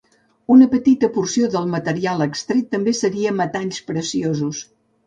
Una petita porció del material extret també seria metalls preciosos.